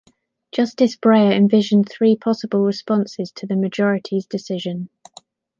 Justice Breyer envisioned three possible responses to the majority's decision.